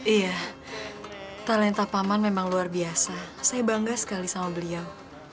iya talenta paman memang luar biasa saya bangga sekali sama beliau